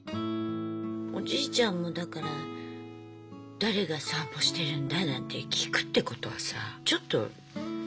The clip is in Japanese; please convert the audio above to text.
おじいちゃんもだから「誰が散歩してるんだ？」なんて聞くってことはさちょっと気になっててさ。